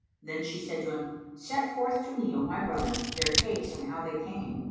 Then she said to him, "Set forth to me, O my brother, their case and how they came."